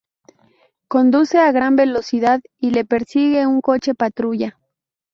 Conduce a gran velocidad y le persigue un coche patrulla.